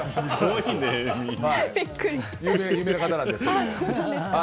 有名な方なんですけども。